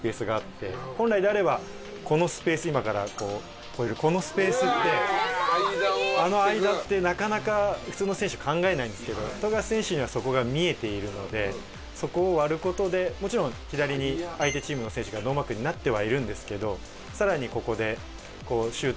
本来であればこのスペース今から越えるこのスペースってあの間ってなかなか普通の選手考えないんですけど富樫選手にはそこが見えているのでそこを割る事でもちろん左に相手チームの選手がノーマークになってはいるんですけど更にここでこうシュート。